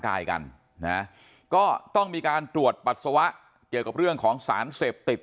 กายกันนะก็ต้องมีการตรวจปัสสาวะเกี่ยวกับเรื่องของสารเสพติด